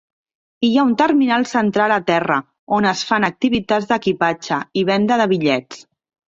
Hi ha un terminal central a terra on es fan activitats d'equipatge i venda de bitllets.